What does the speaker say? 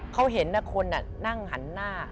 เขาเห็นคนนั่งหันหน้า